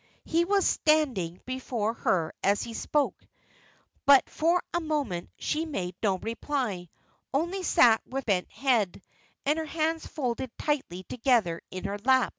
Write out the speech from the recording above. He was standing before her as he spoke, but for a moment she made no reply, only sat with bent head, and her hands folded tightly together in her lap.